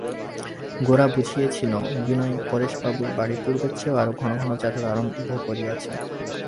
গোরা বুঝিয়াছিল বিনয় পরেশবাবুর বাড়ি পূর্বের চেয়েও আরো ঘন ঘন যাতায়াত আরম্ভ করিয়াছে।